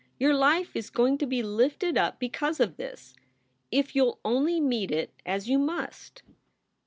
Your life is going to be lifted up because of this, if you ll only meet it as you must."